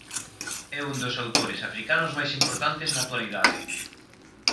É un dos autores africanos máis importantes na actualidade.